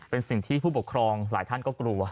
เป็นสิ่งที่ผู้ปกครองหลายท่านก็กลัว